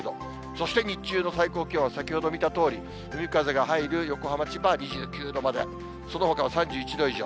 そして日中の最高気温は、先ほど見たとおり、海風が入る横浜、千葉は２９度まで、そのほかは３１度以上。